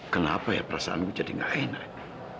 kenapa ya perasaanmu jadi gak enak